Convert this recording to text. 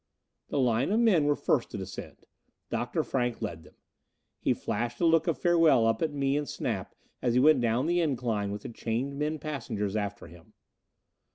The line of men were first to descend. Dr. Frank led them. He flashed a look of farewell up at me and Snap as he went down the incline with the chained men passengers after him.